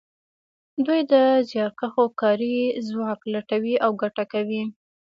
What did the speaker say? دوی د زیارکښو کاري ځواک لوټوي او ګټه کوي